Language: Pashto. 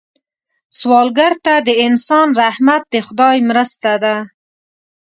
سوالګر ته د انسان رحمت د خدای مرسته ده